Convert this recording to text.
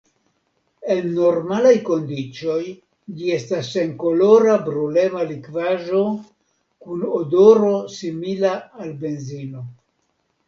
En normalaj kondiĉoj ĝi estas senkolora brulema likvaĵo kun odoro simila al benzino.